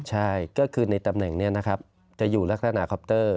ใช่ก็คือในตำแหน่งนี้นะครับจะอยู่ลักษณะคอปเตอร์